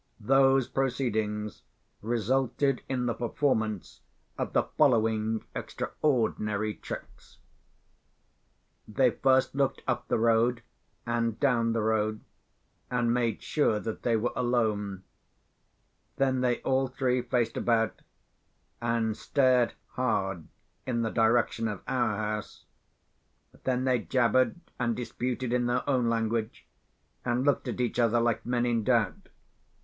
Those proceedings resulted in the performance of the following extraordinary tricks. They first looked up the road, and down the road, and made sure that they were alone. Then they all three faced about, and stared hard in the direction of our house. Then they jabbered and disputed in their own language, and looked at each other like men in doubt.